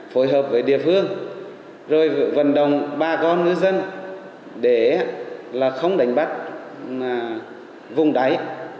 phối hợp với địa phương rồi vận động bà con ngư dân để không đánh bắt vùng đáy